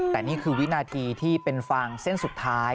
แต่นี่คือวินาทีที่เป็นฟางเส้นสุดท้าย